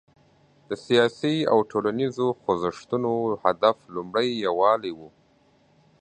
د سیاسي او ټولنیزو خوځښتونو هدف لومړی یووالی و.